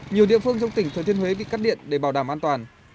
nhiều địa phương trong tỉnh thừa thiên huế bị cắt điện để bảo đảm an toàn